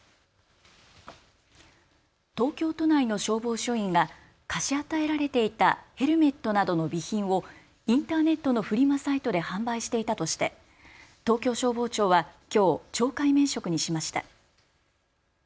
東京都内の消防署員が貸し与えられていたヘルメットなどの備品をインターネットのフリマサイトで販売していたとして東京消防庁はきょう懲戒免職にしました。